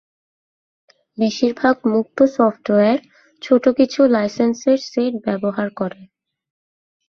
বেশিরভাগ মুক্ত সফটওয়্যার ছোট কিছু লাইসেন্সের সেট ব্যবহার করে।